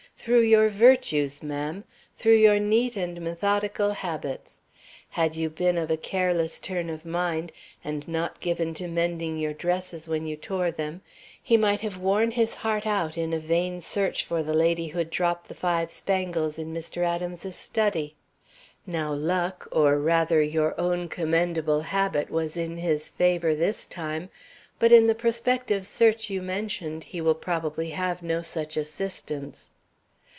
Through your virtues, ma'am; through your neat and methodical habits. Had you been of a careless turn of mind and not given to mending your dresses when you tore them, he might have worn his heart out in a vain search for the lady who had dropped the five spangles in Mr. Adams's study. Now luck, or, rather, your own commendable habit, was in his favor this time; but in the prospective search you mentioned, he will probably have no such assistance."